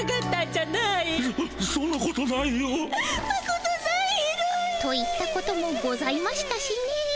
ひどい。といったこともございましたしね。